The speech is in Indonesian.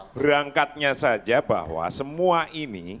berangkatnya saja bahwa semua ini